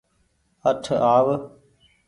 اٺ آو